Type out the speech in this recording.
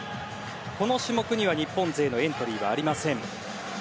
この種目には日本勢のエントリーはありません。